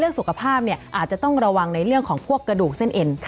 สุขภาพอาจจะต้องระวังในเรื่องของพวกกระดูกเส้นเอ็น